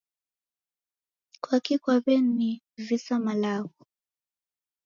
Kwaki kwaw'enivisa malagho?